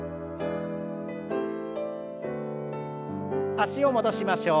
脚を戻しましょう。